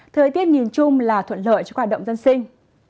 thời tiết nhìn chung là thuận lợi cho hoạt động dân sinh